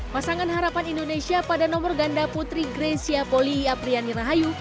pasangan harapan indonesia pada nomor ganda putri grecia poli apriani rahayu